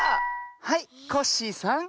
はいコッシーさん。